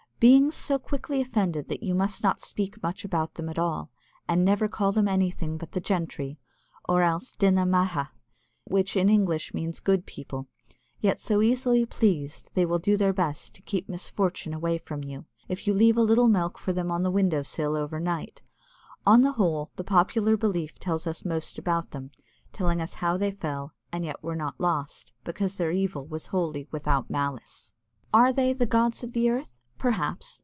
Beings so quickly offended that you must not speak much about them at all, and never call them anything but the "gentry," or else daoine maithe, which in English means good people, yet so easily pleased, they will do their best to keep misfortune away from you, if you leave a little milk for them on the window sill over night. On the whole, the popular belief tells us most about them, telling us how they fell, and yet were not lost, because their evil was wholly without malice. Are they "the gods of the earth?" Perhaps!